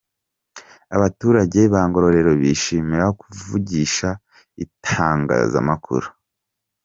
Abaturage ba Ngororero bishimira kuvugisha itangazamakuru.